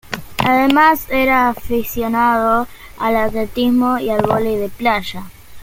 Además, era aficionado al atletismo y al vóley de playa.